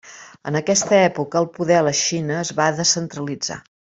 En aquesta època, el poder la Xina es va descentralitzar.